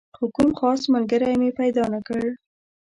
خو کوم خاص ملګری مې پیدا نه کړ.